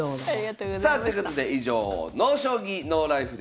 さあということで以上「ＮＯ将棋ＮＯＬＩＦＥ」でございました。